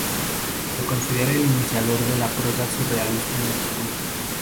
Se le considera el iniciador de la prosa surrealista en el Perú.